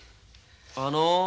あの。